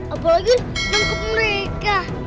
apalagi nangkep mereka